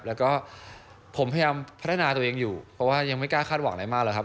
แล้วก็ผมพยายามพัฒนาตัวเองอยู่เพราะว่ายังไม่กล้าคาดหวังอะไรมากหรอกครับ